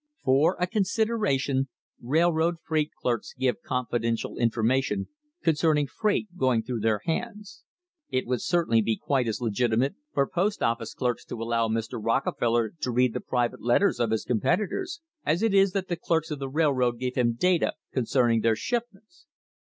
For a "consideration" railroad freight clerks give confidential information concerning freight going through their hands. It would certainly be quite as legitimate for post office clerks to allow Mr. Rockefeller to read the private letters of his competitors, as it is that the clerks of a railroad give him data concerning their shipments.